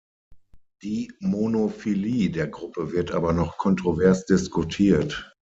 Die Monophylie der Gruppe wird aber noch kontrovers diskutiert.